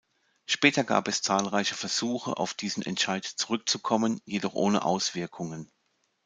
Später gab es zahlreiche Versuche, auf diesen Entscheid zurückzukommen, jedoch ohne Auswirkungen.